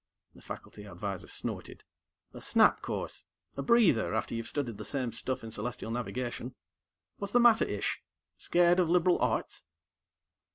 The faculty advisor snorted. "A snap course. A breather, after you've studied the same stuff in Celestial Navigation. What's the matter, Ish? Scared of liberal arts?"